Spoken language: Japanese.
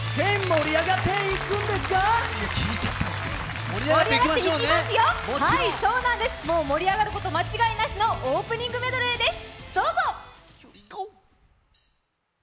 盛り上がっていきますよ、そうなんです、もう盛り上がること間違いなしのオープニングメドレーです。